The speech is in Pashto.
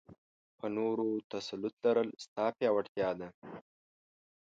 په نورو تسلط لرل؛ ستا پياوړتيا ده.